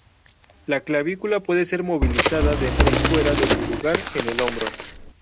La clavícula puede ser movilizada dentro y fuera de su lugar en el hombro.